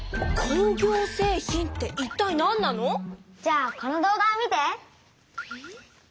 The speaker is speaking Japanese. ショーゴじゃあこの動画を見て！